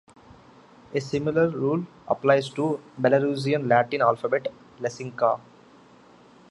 A similar rule applies to the Belarusian Latin alphabet Lacinka.